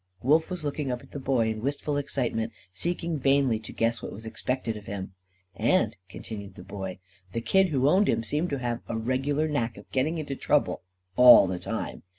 Wolf was looking up at the Boy in wistful excitement, seeking vainly to guess what was expected of him. "And," continued the Boy, "the kid who owned him seems to have had a regular knack for getting into trouble all the time.